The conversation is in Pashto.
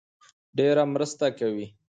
ډېره مرسته کوي